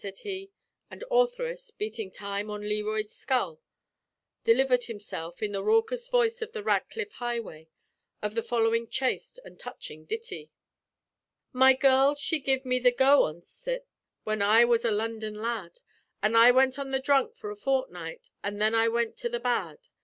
said he; and Ortheris, beating time on Learoyd's skull, delivered himself, in the raucous voice of the Ratcliffe Highway, of the following chaste and touching ditty: "My girl she give me the go oncet, When I was a London lad, An' I went on the drunk for a fortnight, An' then I went to the bad.